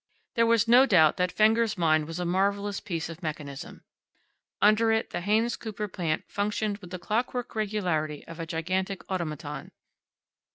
There was no doubt that Fenger's mind was a marvelous piece of mechanism. Under it the Haynes Cooper plant functioned with the clockwork regularity of a gigantic automaton.